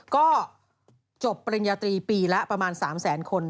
ก็จบปริญญาตรีปีละประมาณ๓แสนคน